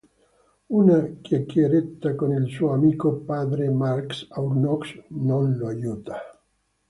Una chiacchierata con il suo amico Padre Marc Arnoux non lo aiuta.